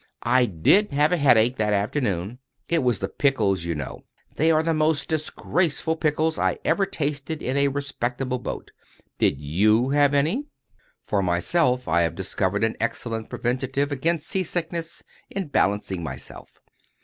I did have a headache that afternoon. It was the pickles, you know. They were the most disgraceful pickles I ever tasted in a respectable boat. Did you have any?" For myself, I have discovered an excellent preventive against sea sickness, in balancing myself.